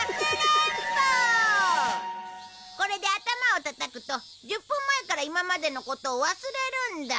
これで頭をたたくと１０分前から今までのことを忘れるんだ。